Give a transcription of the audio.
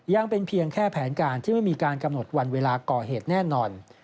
ยังเป็นเพียงแค่แผนการที่ไม่มีการกำหนดวันเวลาก่อเหตุแน่นอน